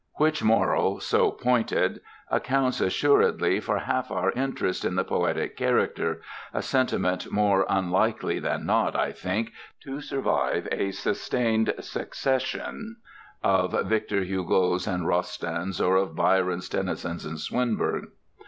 Which moral, so pointed, accounts assuredly for half our interest in the poetic character a sentiment more unlikely than not, I think, to survive a sustained succession of Victor Hugos and Rostands, or of Byrons, Tennysons and Swinburnes.